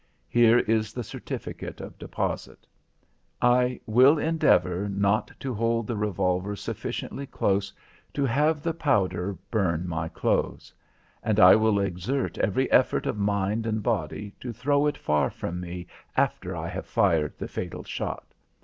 Here is the certificate of deposit. I will endeavour not to hold the revolver sufficiently close to have the powder burn my clothes. And I will exert every effort of mind and body to throw it far from me after I have fired the fatal shot.